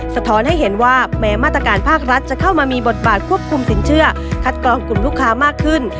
สะท้อนให้เห็นว่าแม้มาตรการภาครัฐจะเข้ามามีบทบาทควบคุมสินเชื่อคัดกรองกลุ่มลูกค้ามากขึ้น